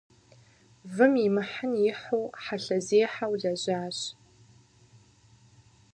Вым имыхьын ихьу хьэлъэзехьэу лэжьащ.